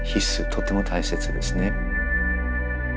とても大切ですね。